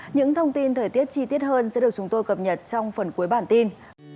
những thông tin thời tiết chi tiết hơn sẽ được chúng tôi cập nhật trong phần cuối bản tin